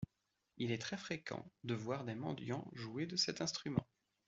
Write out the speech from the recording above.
Il est très fréquent de voir des mendiants jouer de cet instrument.